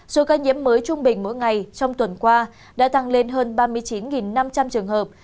số ca nhiễm mới trung bình mỗi ngày trong tuần qua đã tăng lên hơn ba mươi chín năm trăm linh trường hợp